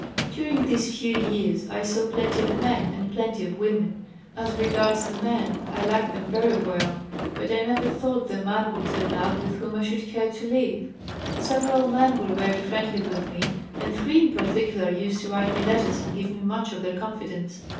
"During these few years I saw plenty of men and plenty of women. As regards the men I liked them very well, but I never thought the man would turn up with whom I should care to live. Several men were very friendly with me and three in particular used to write me letters and give me much of their confidence.